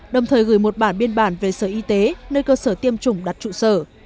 đồng thời gửi một bản biên bản về sở y tế nơi cơ sở tiêm chủng đặt trụ sở